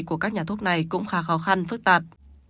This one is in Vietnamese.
của các nhà thuốc này cũng khá khó khăn phức tạp